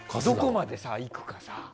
どこまで行くか。